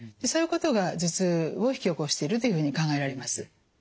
そういうことが頭痛を引き起こしているというふうに考えられます。